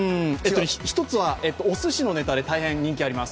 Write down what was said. １つはおすしのネタで大変人気があります。